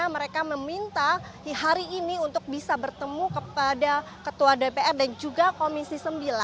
mereka meminta hari ini untuk bisa bertemu kepada ketua dpr dan juga komisi sembilan